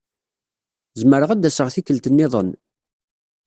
Zemreɣ ad aseɣ tikelt-nniden?